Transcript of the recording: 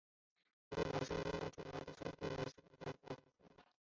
锅炉本体中两个最主要的部件是炉膛和锅筒。